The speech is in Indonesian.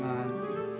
ya udah siang